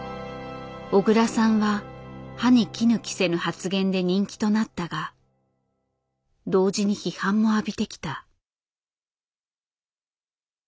小倉さんは歯に衣着せぬ発言で人気となったが同時に批判も浴びてきた。